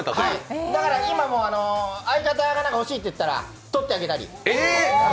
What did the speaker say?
だから、今も相方が欲しいって言ったら、取ってあげたり。